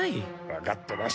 わかってます。